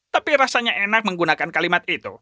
tapi rasanya enak menggunakan kalimat itu